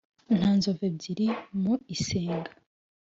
Nta nzovu ebyiri mu isenga